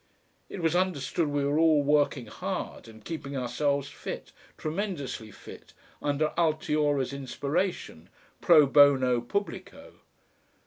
It was understood we were all working hard, and keeping ourselves fit, tremendously fit, under Altiora's inspiration, Pro Bono Publico.